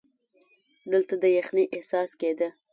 دلته د یخنۍ احساس کېده.